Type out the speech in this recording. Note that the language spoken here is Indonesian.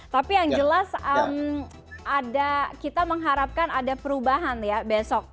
tapi yang jelas ada kita mengharapkan ada perubahan ya besok